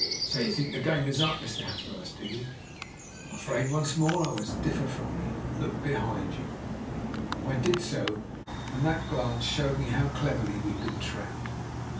"So you think my game is up, Mr. Hatteras, do you? I'm afraid once more I must differ from you. Look behind you." I did so, and that glance showed me how cleverly we'd been trapped.